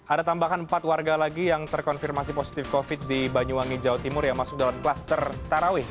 ada tambahan empat warga lagi yang terkonfirmasi positif covid di banyuwangi jawa timur yang masuk dalam kluster tarawih